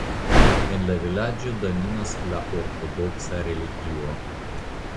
En la vilaĝo dominas la ortodoksa religio.